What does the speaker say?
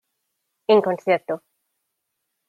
En concierto...